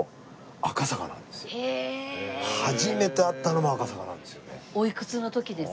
初めて会ったのも赤坂なんですよね。